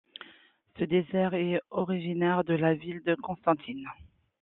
Ce dessert est originaire de la ville de Constantine.